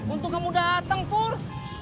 untung kamu datang pur